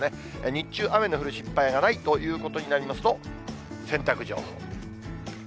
日中、雨の降る心配がないということになりますと、洗濯情報。